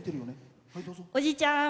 おじいちゃん！